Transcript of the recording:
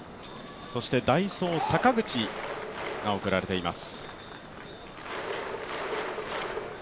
代走・坂口が送られています。